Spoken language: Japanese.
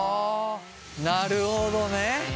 なるほどね。